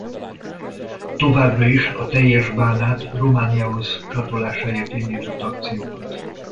Továbbra is a teljes Bánát Romániához csatolásáért indított akciókat.